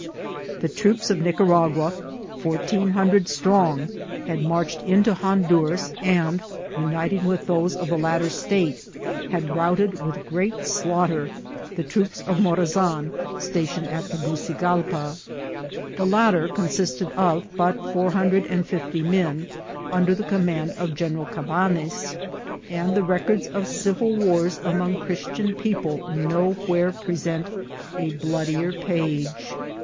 The troops of Nicaragua, four teen hundred strong, had marched into Honduras, and HORRORS OP CIVIL WAR. 428 uniting with those of the latter state, had routed, with great slaughter, the troops of Morazan stationed at Ta« gnzegalpa. The latter consisted of but four hundred and fiftjr men, under the command of General Cabanes^ and the records of civil wars among Christian people nowhere (Hresent a bloodier page.